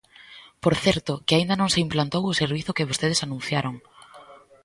Por certo, que aínda non se implantou o servizo que vostedes anunciaron.